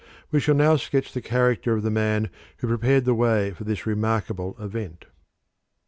We shall now sketch the character of the man who prepared the way for this remarkable event.